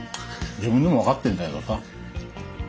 自分でも分かってんだけどさ。